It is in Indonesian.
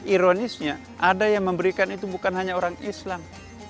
ironisnya ada yang memberikan itu bukan hanya orang islam